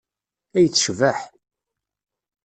Ay tecbeḥ!